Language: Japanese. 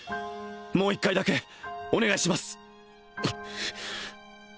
もう一回だけお願いします